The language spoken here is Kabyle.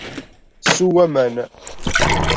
Sew aman.